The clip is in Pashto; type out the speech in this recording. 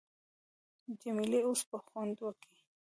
جمیلې اوس به خوند وکي.